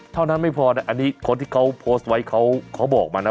เท่านั้นไม่พอนะอันนี้คนที่เขาโพสต์ไว้เขาบอกมานะ